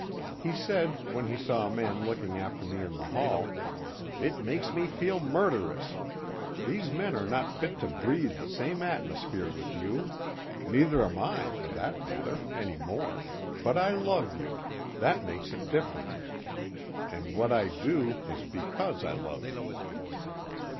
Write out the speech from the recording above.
He said, when he saw a man looking after me in the hall: "It makes me feel murderous! These men are not fit to breathe the same atmosphere with you. Neither am I, for that matter, any more, but I love you, that makes it different; and what I do is because I love you."